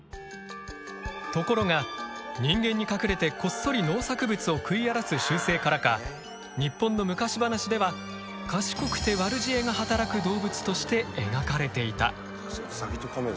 ところが人間に隠れてこっそり農作物を食い荒らす習性からか日本の昔話ではとして描かれていた。